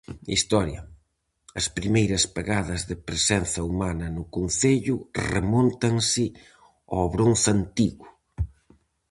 Historia. As primeiras pegadas de presenza humana no concello remóntanse ao Bronce Antigo.